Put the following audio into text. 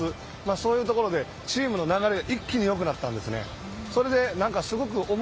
そういうところで、チームの流れが一気に良くなったんですね。